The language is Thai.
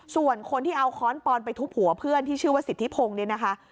ส่วนคนที่เอาค้อนปอนไปทุบหัวเพื่อนที่ชื่อว่าสิทธิพงศ์เนี่ยนะคะ